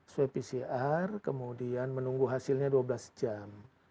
swab pcr kemudian menunggu hasilnya dua belas jam